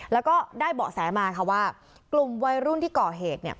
แล้วก็ได้เบาะแสมาค่ะว่ากลุ่มวัยรุ่นที่ก่อเหตุเนี่ย